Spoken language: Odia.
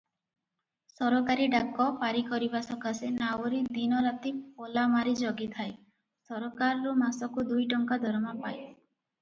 ସରକାରୀ ଡାକ ପାରିକରିବା ସକାଶେ ନାଉରୀ ଦିନରାତି ପଲାମାରି ଜଗିଥାଏ, ସରକାରରୁ ମାସକୁ ଦୁଇଟଙ୍କା ଦରମା ପାଏ ।